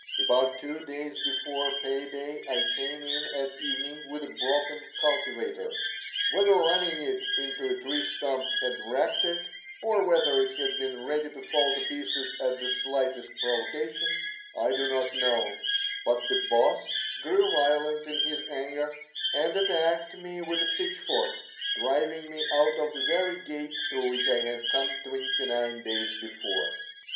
About two days before pay day I came in at evening with a broken cultivator. Whether running it into a tree stump had wrecked it, or whether it had been ready to fall to pieces at the slightest provocation I do not know; but the "Boss" grew violent in his anger and attacked me with a pitchfork, driving me out of the very gate through which I had come twenty nine days before.